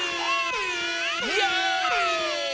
イエイ！